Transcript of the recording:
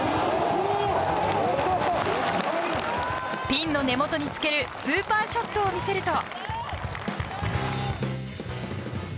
ピンの根元につけるスーパーショットを見せると。